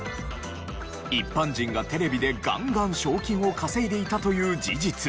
一般人がテレビでガンガン賞金を稼いでいたという事実。